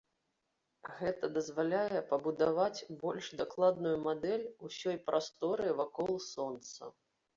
Гэта дазваляе пабудаваць больш дакладную мадэль усёй прастора вакол сонца.